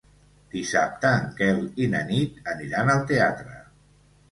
Dissabte en Quel i na Nit aniran al teatre.